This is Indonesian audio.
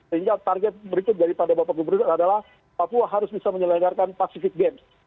sehingga target berikut daripada bapak gubernur adalah papua harus bisa menyelenggarkan pacific games